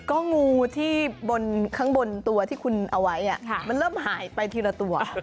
ก็งูที่บนข้างบนตัวที่คุณเอาไว้มันเริ่มหายไปทีละตัว